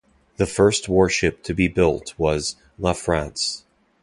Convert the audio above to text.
The first airship to be built was "La France".